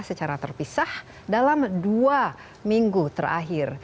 secara terpisah dalam dua minggu terakhir